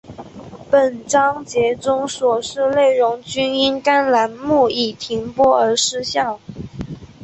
本章节中所示内容均因该栏目已停播而失效